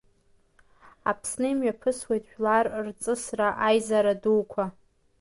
Аԥсны имҩаԥысуеит жәлар рҵысра, аизара дуқәа.